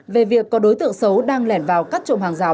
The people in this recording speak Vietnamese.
về việc có đối tượng xấu đang lẻn vào cắt trộm hàng rào